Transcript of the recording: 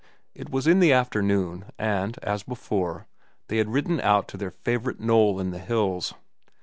It was in the afternoon, and, as before, they had ridden out to their favorite knoll in the hills.